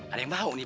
ada yang bau nih